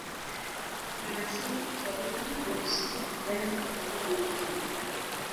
Anasema utalii wa usiku hupendwa kutumiwa na watalii wengi